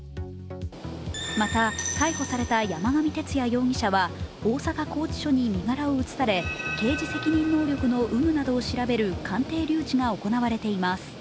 また逮捕された山上徹也容疑者は大阪拘置所に身柄を移され、刑事責任能力の有無などを調べる鑑定留置が行われています。